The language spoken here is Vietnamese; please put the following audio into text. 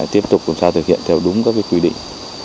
tiếp tục làm sao thực hiện theo đúng các quy định